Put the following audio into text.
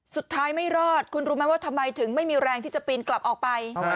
สุดท้ายไม่รอดคุณรู้ไหมว่าทำไมถึงไม่มีแรงที่จะปีนกลับออกไป